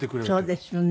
そうですね。